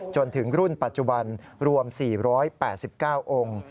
จนถึงรุ่นปัจจุบันรวม๔๘๙องค์